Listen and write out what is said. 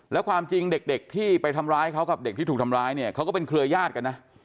แล้วความจริงเด็กที่ไปทำร้ายเขากับเด็กที่ถูกทำร้ายเนี่ยเขาก็เป็นเครือญาติกันนะ